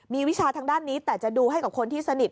มีวิชาทางด้านนี้แต่จะดูให้กับคนที่สนิท